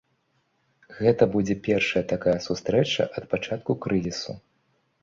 Гэта будзе першая такая сустрэча ад пачатку крызісу.